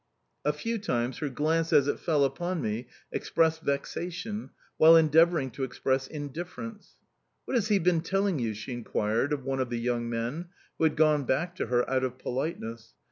A few times her glance as it fell upon me expressed vexation, while endeavouring to express indifference... "What has he been telling you?" she inquired of one of the young men, who had gone back to her out of politeness.